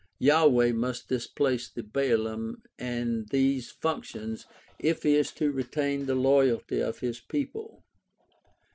Yahweh must displace the Baalim in these functions if he is to retain the loyalty of his people.